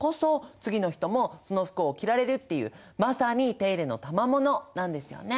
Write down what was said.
次の人もその服を着られるっていうまさに手入れのたまものなんですよね。